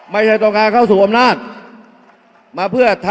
อย่าให้ลุงตู่สู้คนเดียว